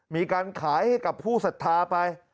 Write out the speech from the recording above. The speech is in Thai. มีการขายให้กับผู้ศรัทธาไป